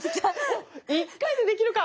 一回でできるか。